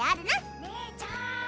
姉ちゃん！